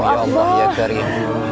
ya allah ya karibu